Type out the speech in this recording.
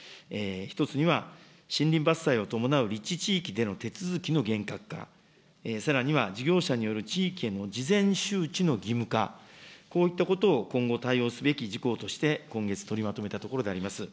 １つには森林伐採を伴う立地地域での手続きの厳格化、さらには事業者による地域への事前周知の義務化、こういったことを今後対応すべき事項として今月、取りまとめたところであります。